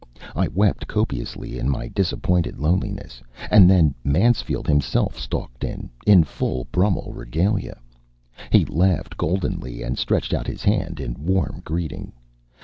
I wept copiously in my disappointed loneliness, and then Mansfield himself stalked in, in full Brummell regalia. He laughed goldenly and stretched out his hand in warm greeting.